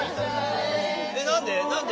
えっ何で？